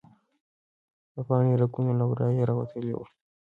د پاڼې رګونه له ورایه راوتلي وو.